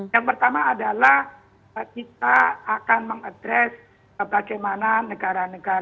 yang pertama adalah kita akan mengadres bagaimana negara negara